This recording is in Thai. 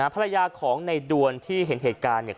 ภรรยาของในดวนที่เห็นเหตุการณ์เนี่ย